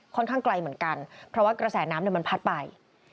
ข้างไกลเหมือนกันเพราะว่ากระแสน้ำมันพัดไป